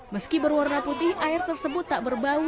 meski berwarna putih air tersebut tak berbau